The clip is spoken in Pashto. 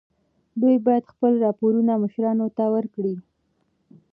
دوی باید خپل راپورونه مشرانو ته ورکړي.